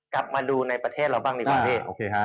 กลับมาดูในประเทศเราบ้างในประเทศ